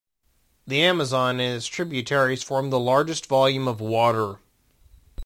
The Amazon and its tributaries form the largest volume of water.